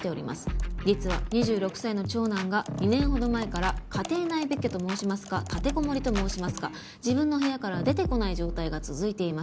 「実は２６歳の長男が２年ほど前から家庭内別居と申しますか立てこもりと申しますか自分の部屋から出てこない状態が続いています」